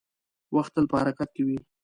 • وخت تل په حرکت کې وي.